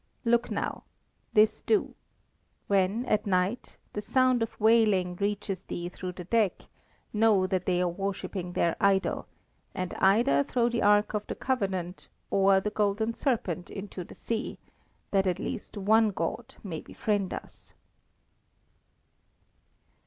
Look now, this do! When, at night, the sound of wailing reaches thee through the deck, know that they are worshipping their idol, and either throw the Ark of the Covenant or the golden serpent into the sea, that at least one God may befriend us."